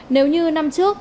nếu như năm trước